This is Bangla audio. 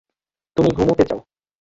তুমি ঘুমুতে যাও।